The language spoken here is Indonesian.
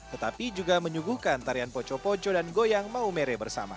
tetapi juga menyuguhkan tarian poco pojo dan goyang mau mere bersama